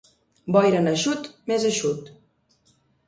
Boira en eixut, més eixut.